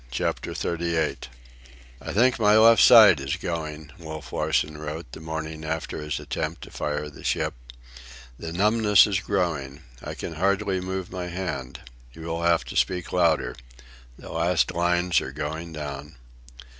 CHAPTER XXXVIII "I think my left side is going," Wolf Larsen wrote, the morning after his attempt to fire the ship. "The numbness is growing. I can hardly move my hand. You will have to speak louder. The last lines are going down."